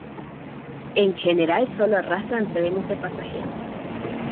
En general, sólo arrastran trenes de pasajeros.